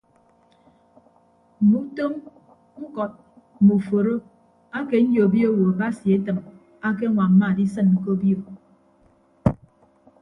Mme utom ñkọt mme uforo ake nyobio owo basi etịm akeñwamma adisịn ke obio.